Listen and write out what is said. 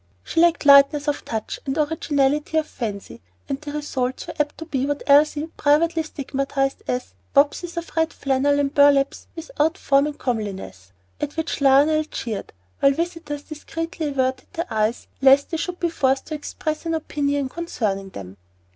She lacked lightness of touch and originality of fancy, and the results were apt to be what Elsie privately stigmatized as "wapses of red flannel and burlaps without form or comeliness," at which Lionel jeered, while visitors discreetly averted their eyes lest they should be forced to express an opinion concerning them.